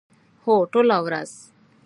هو، ټوله ورځ